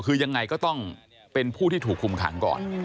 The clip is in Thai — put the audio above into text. คือยังไงก็ต้องเป็นผู้ที่ถูกคุมขังก่อน